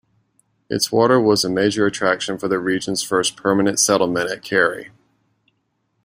Its water was a major attraction for the region's first permanent settlement at Carey.